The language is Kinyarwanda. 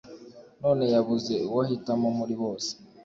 none yabuze uwo ahitamo muri bose